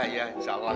iya insya allah